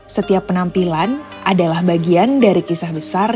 setiap penampilan adalah bagian dari kisah besar